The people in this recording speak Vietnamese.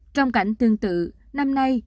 trong cảnh tương tự năm nay